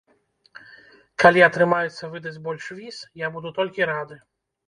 Калі атрымаецца выдаць больш віз, я буду толькі рады.